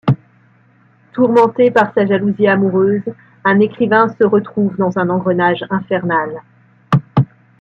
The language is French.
Tourmenté par sa jalousie amoureuse, un écrivain se retrouve dans un engrenage infernal.